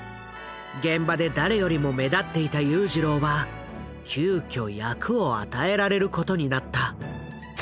現場で誰よりも目立っていた裕次郎は急きょ役を与えられることになった。